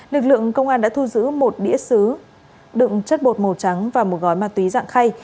lực lượng công an đã thu giữ một đĩa xứ đựng chất bột màu trắng và một gói ma túy dạng khay